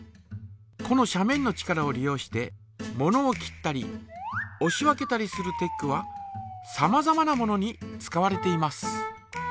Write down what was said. この斜面の力を利用してものを切ったりおし分けたりするテックはさまざまなものに使われています。